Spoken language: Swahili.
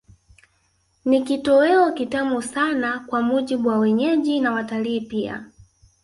Ni kitoweo kitamu sana kwa mujibu wa wenyeji na watalii pia